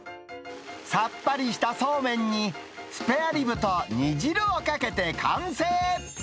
さっぱりしたそうめんに、スペアリブと煮汁をかけて完成。